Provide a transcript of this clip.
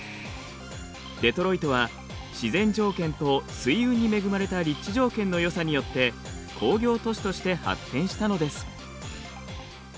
デトロイトは自然条件と水運に恵まれた立地条件のよさによって工業都市として発展したのです。